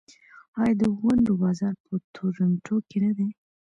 آیا د ونډو بازار په تورنټو کې نه دی؟